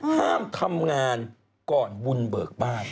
ห้ามทำงานก่อนบุญเบิกบ้าน